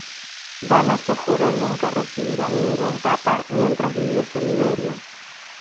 Dámaso juró nunca recibir a ningún papa mientras viviese Liberio.